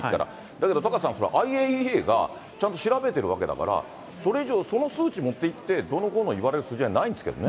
だけどタカさん、ＩＡＥＡがちゃんと調べてるわけだから、それ以上、その数値持ってきて、どうのこうの言われる筋合いはないんですけどね。